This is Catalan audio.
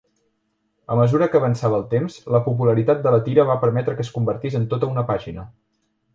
A mesura que avançava el temps, la popularitat de la tira va permetre que es convertís en tota una pàgina.